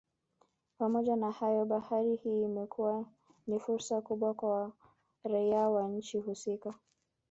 Pamoja na hayo bahari hii imekuwa ni fursa kubwa kwa raia wa nchi husika